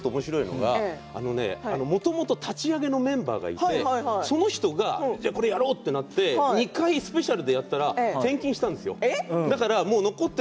レギュラーで週１回、７月からおもしろいのがもともと立ち上げのメンバーがいてその人がこれをやろうとなって２回スペシャルでやったら転勤したんですよ。